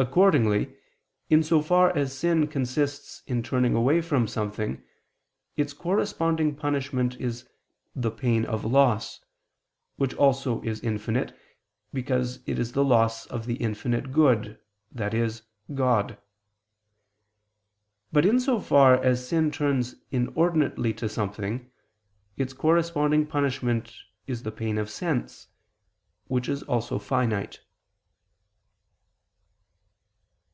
Accordingly, in so far as sin consists in turning away from something, its corresponding punishment is the pain of loss, which also is infinite, because it is the loss of the infinite good, i.e. God. But in so far as sin turns inordinately to something, its corresponding punishment is the pain of sense, which is also finite.